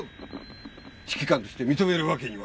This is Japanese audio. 指揮官として認めるわけには。